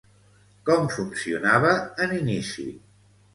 Com funcionava en inici?